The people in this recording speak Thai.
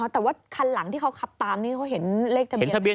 แต่ว่าคันหลังที่เขาขับตามนี่เขาเห็นเลขทะเบียน